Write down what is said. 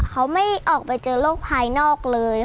เขาไม่ออกไปเจอโรคภายนอกเลย